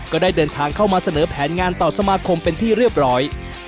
ก็ได้เดินทางเข้ามาเสนอแผนงานต่อสมาคมเป็นที่เรียบร้อย